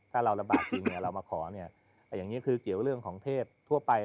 ถ้าเราลำบากจริงเรามาขอเนี่ยอย่างนี้คือเกี่ยวเรื่องของเทพทั่วไป